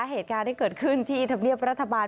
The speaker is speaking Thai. เหตุการณ์ที่เกิดขึ้นที่ธรรมเนียบรัฐบาล